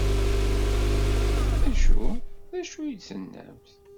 D acu? D acu ay d-tennamt?